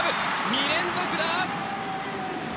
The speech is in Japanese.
２連続だ。